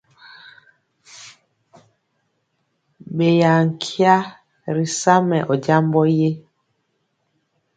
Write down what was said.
Ɓeya nkya ri sa mɛ ɔ jambɔ ye?